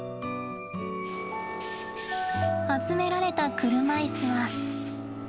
集められた車椅子は。